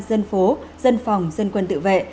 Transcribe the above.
dân phố dân phòng dân quân tự vệ